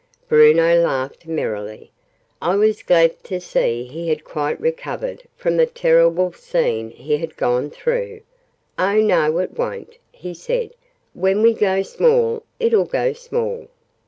Bruno laughed merrily. I was glad to see he had quite recovered from the terrible scene he had gone through. "Oh no, it won't!" he said. "When we go small, it'll go small!"